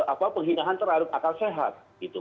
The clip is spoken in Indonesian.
ada penghinaan terhadap akal sehat gitu